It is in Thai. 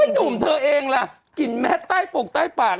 หนุ่มเธอเองล่ะกลิ่นแมสใต้ปกใต้ปาก